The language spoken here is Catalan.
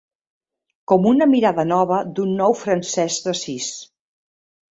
Com una mirada nova d'un nou Francesc d'Assís.